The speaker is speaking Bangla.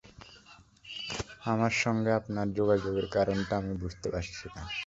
আমার সঙ্গে আপনার যোগাযোগের কারণটা আমি বুঝতে পারছি না।